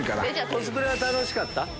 コスプレは楽しかった？